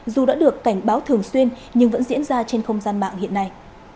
dù đã được cảnh báo thường xuyên nhưng vẫn diễn ra trên không gian mạng hiện nay